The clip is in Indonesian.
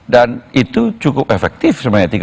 dan itu cukup efektif